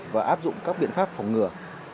và áp dụng các biện pháp phòng ngừa